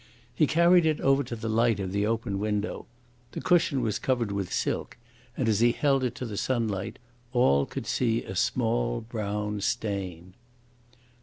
He carried it over to the light of the open window. The cushion was covered with silk, and as he held it to the sunlight all could see a small brown stain.